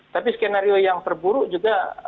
tapi skenario yang terburuk juga